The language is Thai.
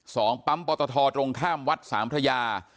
สองปั๊มปอตทตรงข้ามวัดสามพระยา